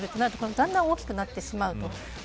だんだん大きくなってしまいます。